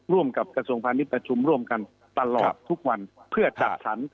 ร่วมกับกระทรวงพาณิชยประชุมร่วมกันตลอดทุกวันเพื่อจัดสรร